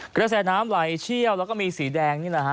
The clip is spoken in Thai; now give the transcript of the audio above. กระแสน้ำไหลเชี่ยวแล้วก็มีสีแดงนี่แหละฮะ